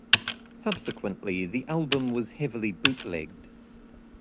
Subsequently, the album was heavily bootlegged.